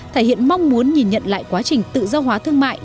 thể hiện mong muốn nhìn nhận lại quá trình tự do hóa thương mại